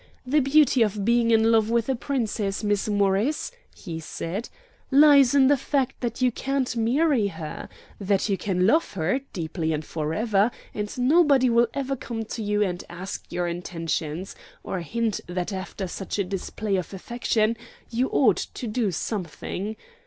The beauty of being in love with a Princess, Miss Morris," he said, "lies in the fact that you can't marry her; that you can love her deeply and forever, and nobody will ever come to you and ask your intentions, or hint that after such a display of affection you ought to do something.